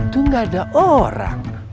itu gak ada orang